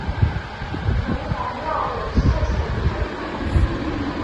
城隍庙有四重牌坊。